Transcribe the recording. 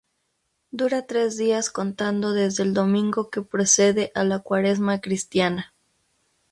Dura tres días contando desde el domingo que precede a la cuaresma cristiana.